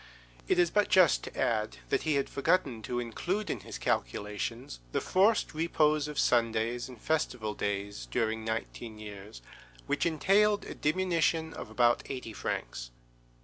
It is but just to add that he had forgotten to include in his calculations the forced repose of Sundays and festival days during nineteen years, which entailed a diminution of about eighty francs.